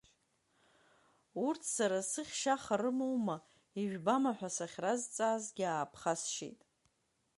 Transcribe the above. Урҭ сара сыхьшь аха рымоума, ижәбама ҳәа сахьразҵаазгьы ааԥхасшьеит.